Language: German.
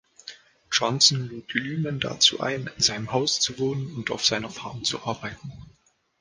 Johnson lud Lyman dazu ein, in seinem Haus zu wohnen und auf seiner Farm zu arbeiten.